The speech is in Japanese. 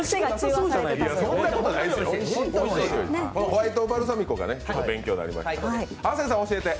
ホワイトバルサミコが勉強になりました。